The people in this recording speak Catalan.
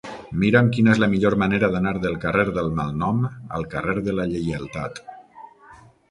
Mira'm quina és la millor manera d'anar del carrer del Malnom al carrer de la Lleialtat.